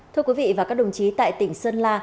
thưa quý vị và các đồng chí tại tỉnh sơn la